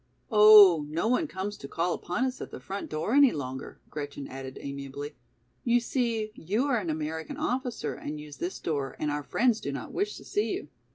"Oh, no one comes to call upon us at the front door any longer," Gretchen added amiably. "You see you are an American officer and use this door and our friends do not wish to see you.